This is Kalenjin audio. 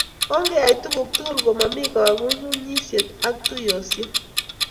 Ongeyai tukuk tugul kumomi kangunyngunyiset ak tiiyosek